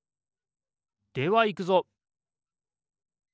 ではいくぞ！